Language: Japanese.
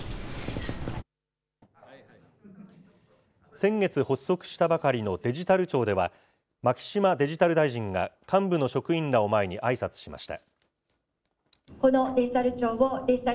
先月発足したばかりのデジタル庁では、牧島デジタル大臣が幹部の職員らを前にあいさつしました。